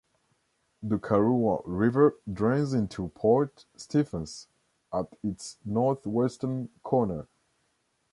The Karuah River drains into Port Stephens at its north-western corner.